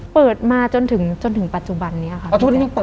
เปิดมาจนถึงปัจจุบันนี้ค่ะ